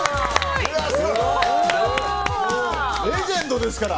レジェンドですから！